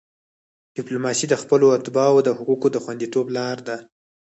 ډیپلوماسي د خپلو اتباعو د حقوقو د خوندیتوب لار ده.